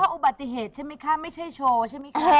ล้มเพราะอุบัติเหตุใช่มั้ยคะไม่ใช่โชว์ใช่มั้ยคะ